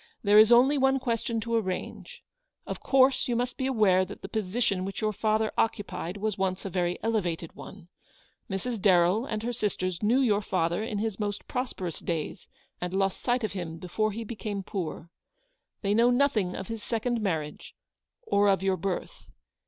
There is only one question to arrange. Of course you must be aware that the position which your father occu pied was once a \ery elevated one. Mrs. Darrell and her sisters knew your father in his most prosperous days, and lost sight of him before he became poor. They know nothing of his second marriage, or of your birth.